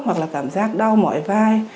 hoặc là cảm giác đau mỏi vai